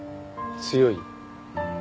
強い？